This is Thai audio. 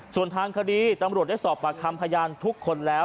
ส่วนทางคดีตำรวจได้สอบปากคำพยานทุกคนแล้ว